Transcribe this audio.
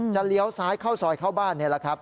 เลี้ยวซ้ายเข้าซอยเข้าบ้านนี่แหละครับ